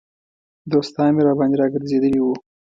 دوستان مې راباندې را ګرځېدلي وو.